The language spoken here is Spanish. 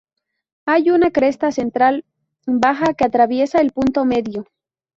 Hay una cresta central baja que atraviesa el punto medio.